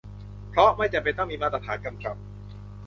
เพราะไม่จำเป็นต้องมีมาตรฐานกำกับ